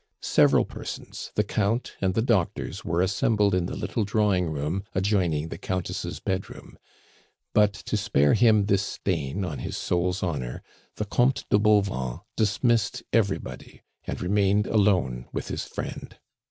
Several persons, the Count, and the doctors were assembled in the little drawing room adjoining the Countess' bedroom; but to spare him this stain on his soul's honor, the Comte de Bauvan dismissed everybody, and remained alone with his friend.